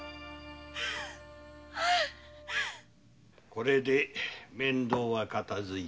これで面倒は片づいた。